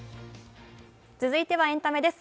続いてはエンタメです。